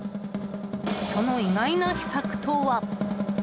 その意外な秘策とは。